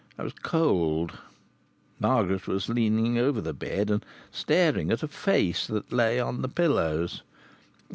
I was cold. Margaret was leaning over the bed, and staring at a face that lay on the pillows.